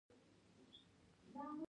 موږ له وړاندې شوي تحلیل څخه ګټه اخلو.